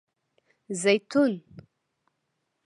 🫒 زیتون